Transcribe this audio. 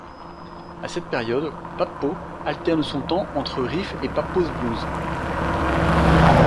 À cette période, Pappo alterne son temps entre Riff et Pappo's Blues.